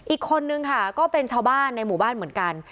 อีกคนนึงค่ะก็เป็นชาวบ้านในหมู่บ้านเหมือนกัน